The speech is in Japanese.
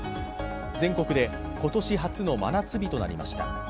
全国で今年初の真夏日となりました。